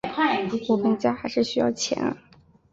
我们家还是需要钱啊